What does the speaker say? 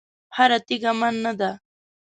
هره تېږه من نه ده.